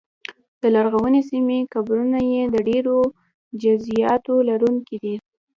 د لرغونې سیمې قبرونه یې د ډېرو جزییاتو لرونکي دي